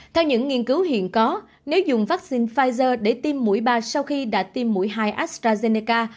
theo những nghiên cứu hiện có nếu dùng vaccine pfizer để tiêm mũi ba sau khi đã tiêm mũi hai astrazeneca